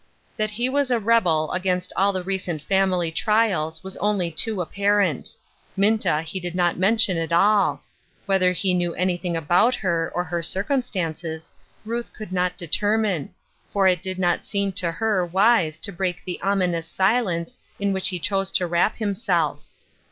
That he was a rebel against all the recent family trials, was only too apparent. Minta he did not mention at all. Whether he knew anything about her, or her circumstances, Ruth could not determine ; for it did not seem to her wise to break the ominous silence in which he chose to wrap himself.